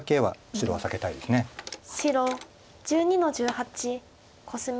白１２の十八コスミ。